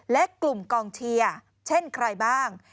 และกลุ่มกองเชียร์เช่นใครบ้าง